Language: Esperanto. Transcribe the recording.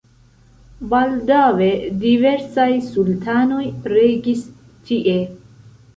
Baldaŭe diversaj sultanoj regis tie.